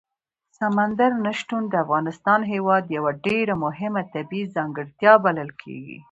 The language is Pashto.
سمندر نه شتون د افغانستان هېواد یوه ډېره مهمه طبیعي ځانګړتیا بلل کېږي.